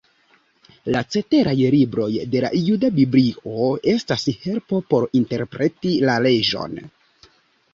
La ceteraj libroj de la juda biblio estas helpo por interpreti la leĝon.